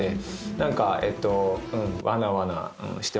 何かえっと。